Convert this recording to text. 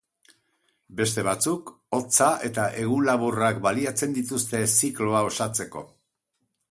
Beste batzuk, hotza eta egun laburrak baliatzen dituzte zikloa osatzeko.